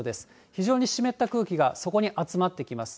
非常に湿った空気がそこに集まってきます。